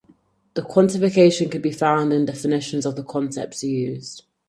The quantification can be found in the definitions of the concepts used.